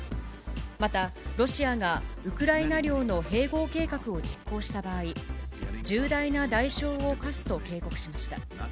また、ロシアがウクライナ領の併合計画を実行した場合、重大な代償を科すと警告しました。